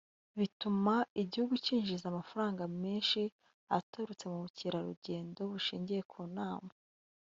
bituma igihugu cyinjiza amafaranga menshi aturutse mu bukerarugendo bushingiye ku nama